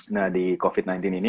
nah di covid sembilan belas ini